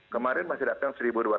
kemarin masih datang satu dua ratus